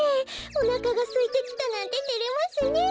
おなかがすいてきたなんててれますね。